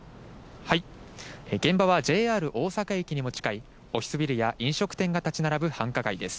現場はＪＲ大阪駅にも近い、オフィスビルや飲食店が建ち並ぶ繁華街です。